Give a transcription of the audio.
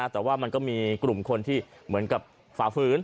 แต่ว่ามันก็มีกลุ่มคนที่เหมือนกับฝ่าฟื้น